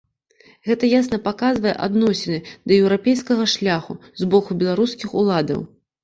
Гэта ясна паказвае адносіны да еўрапейскага шляху з боку беларускіх уладаў.